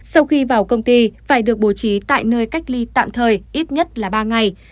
sau khi vào công ty phải được bố trí tại nơi cách ly tạm thời ít nhất là ba ngày